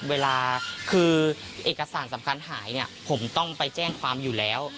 เวลาคือเอกสารสำคัญหายเนี่ยผมต้องไปแจ้งความอยู่แล้ว